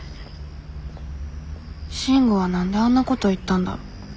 慎吾は何であんなこと言ったんだろ。